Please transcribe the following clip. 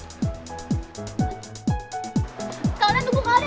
kak alden tunggu kak alden